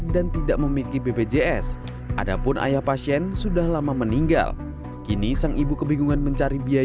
dan tidak memiliki bpjs adapun ayah pasien sudah lama meninggal kini sang ibu kebingungan mencari